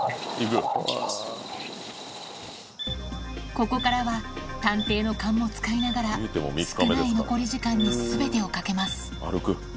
ここからは探偵の勘も使いながら少ない残り時間に全てを懸けます